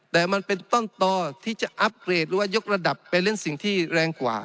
แต่มันเป็นต้นต่อที่จะอัพเกรดหรือว่ายกระดับไปเล่นสิ่งที่แรงกว่า